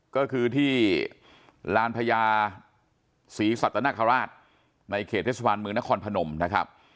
ก็คือที่ลานพญาศรีสัตนคราชในเขตเทศบาลเมืองนครพนมนะครับ